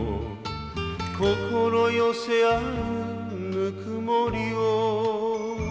「心寄せ合うぬくもりを」